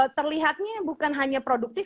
terlihatnya bukan hanya produktif